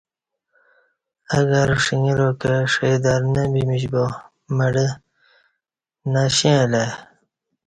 اگر ݜݣراکہ ݜئ در نہ بمیش با مڑہ نشیں اہ لہ ای